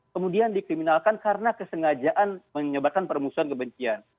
kemudian di kriminalkan karena kesengajaan menyebarkan permusuhan kebencian